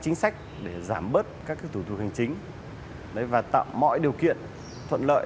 chính sách để giảm bớt các thủ tục hành chính và tạo mọi điều kiện thuận lợi